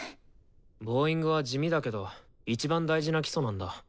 ボーイングは地味だけどいちばん大事な基礎なんだ。